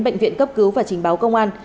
bệnh viện cấp cứu và trình báo công an